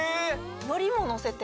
のりものせて？